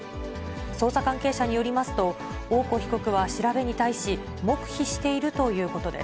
捜査関係者によりますと、大古被告は調べに対し、黙秘しているということです。